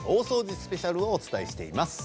スペシャルをお伝えしています。